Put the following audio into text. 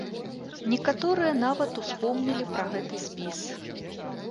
Некаторыя нават успомнілі пра гэты спіс.